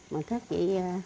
mà các chị